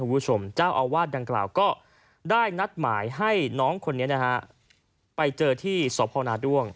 ครับคุณผู้ชมเจ้าอาวาสดังกล่าวก็ได้นัดหมายให้น้องคนนี้ไปเจอที่สอบภาวนาดร่วง